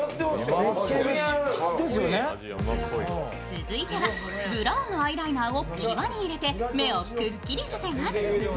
続いてはブラウンのアイライナーをきわに入れて目をくっきりさせます。